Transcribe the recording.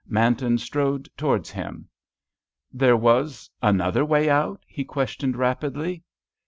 Manton strode towards him. "There was another way out?" he questioned, rapidly.